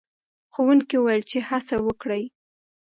ښوونکی وویل چې هڅه وکړئ.